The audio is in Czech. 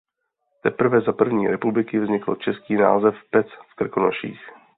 Teprve za První republiky vznikl český název "Pec v Krkonoších".